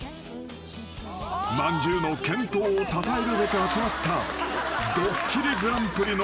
［まんじゅうの健闘をたたえるべく集まった］